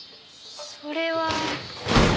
それは。